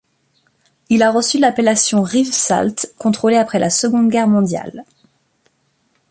Il a reçu l'appellation Rivesaltes contrôlée après la Seconde Guerre mondiale.